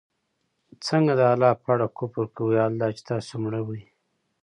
څنگه د الله په اړه كفر كوئ! حال دا چي تاسو مړه وئ